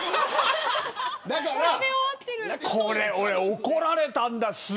これ、俺怒られたんだ。